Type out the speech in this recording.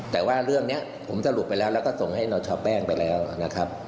ท่านผู้ชมครับ